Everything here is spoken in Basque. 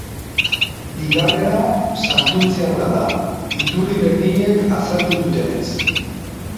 Bigarrena santurtziarra da, iturri berdinek azaldu dutenez.